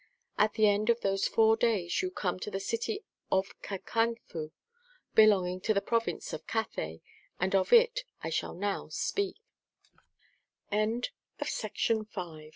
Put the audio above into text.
At the end of those four days you come to the city of Cacanfu belonging to the province of Cathay, and of it I shall now